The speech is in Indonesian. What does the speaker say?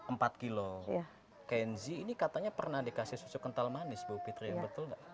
empat kilo kenzi ini katanya pernah dikasih susu kental manis bu pitriah betul nggak